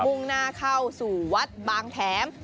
มุ่งหน้าเข้าสู่วัดบางแถม